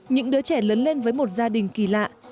những đứa trẻ lớn lên với một gia đình kỳ lạ